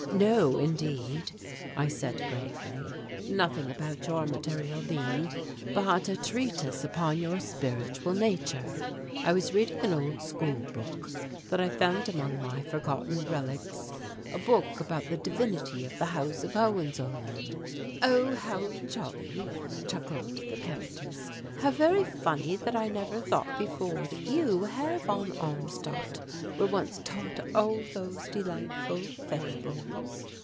"No, indeed," I said gravely. "Nothing about your material being, but a treatise upon your spiritual nature. I was reading an old school book that I found among my forgotten relics a book about the Divinity of the House of Hohenzollern." "Oh, how jolly!" chuckled the Countess. "How very funny that I never thought before that you, Herr von Armstadt, were once taught all those delightful fables."